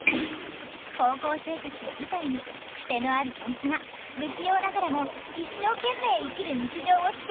高校生活を舞台にクセのあるメンツが不器用ながらも一生懸命生きる日常をスケッチします！